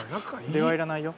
礼はいらないよ。